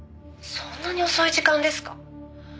「そんなに遅い時間ですか？」